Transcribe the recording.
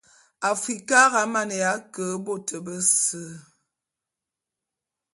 Afrikara a maneya ke bôt bese.